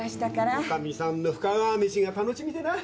女将さんの深川飯が楽しみでなぁ！